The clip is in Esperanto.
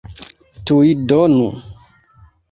Tuj donu!